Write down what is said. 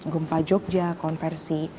gempa jogja konversi